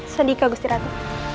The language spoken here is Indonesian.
sandika gusti ratu